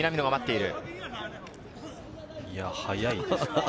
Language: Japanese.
いや速い。